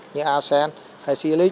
như arsen hay xy lít